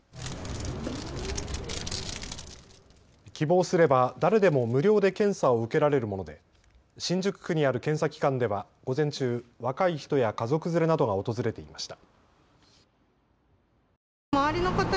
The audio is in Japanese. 希望すれば誰でも無料で検査を受けられるもので新宿区にある検査機関では午前中、若い人や家族連れなどが訪れていました。